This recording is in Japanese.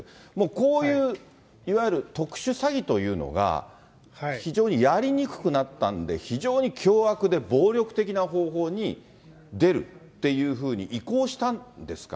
こういういわゆる特殊詐欺というのが、非常にやりにくくなったんで、非常に凶悪で暴力的な方法に出るっていうふうに移行したんですか？